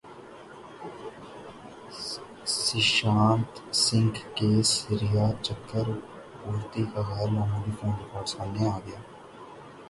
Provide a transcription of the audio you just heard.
Sushant Singh case Rhea Chakraborty کا غیر معمولی فون ریکارڈ سامنے گیا